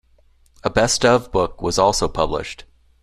A "Best of" book was also published.